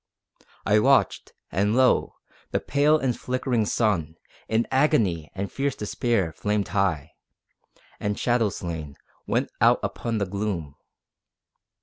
I watched, and lo! the pale and flickering sun, In agony and fierce despair, flamed high, And shadow slain, went out upon the gloom.